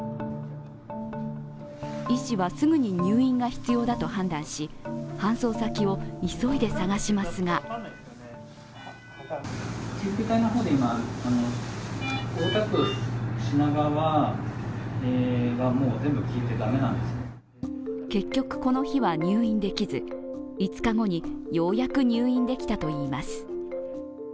医師はすぐに入院が必要だと判断し、搬送先を急いで探しますが結局、この日は入院できず５日後にようやく入院できたといいます。